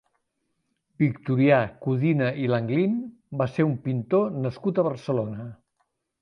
Victorià Codina i Langlin va ser un pintor nascut a Barcelona.